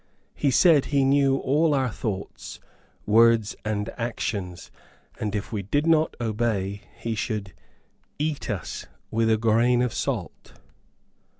He said he knew all our thoughts, words, and actions; and if we did not obey, he should "EAT US WITH A GRAIN OF SALT."